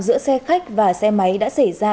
giữa xe khách và xe máy đã xảy ra